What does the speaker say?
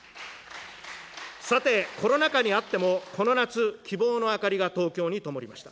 さて、コロナ禍にあっても、この夏、希望の明かりが東京にともりました。